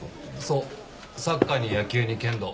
そうサッカーに野球に剣道。